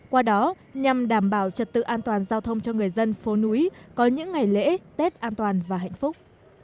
qua đó nhằm đảm bảo trật tự an toàn giao thông cho người dân phố núi có những ngày lễ tết an toàn và hạnh phúc